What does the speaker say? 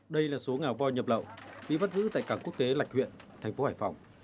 đây là số ngả vòi nhập lậu bị vắt giữ tại cảng quốc tế lạch huyện thành phố hải phòng